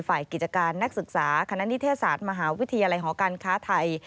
ฝ่ายกิจการนักศึกษาคณะนิเทศศาสตร์มหาวิทยาลัยหอการค้าไทย